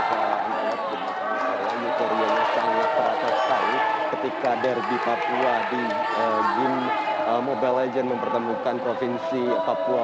saya ingin mengucapkan kepada anda ketika derby papua di game mobile legends mempertemukan provinsi papua